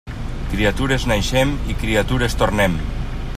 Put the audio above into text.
Criatures naixem i criatures tornem.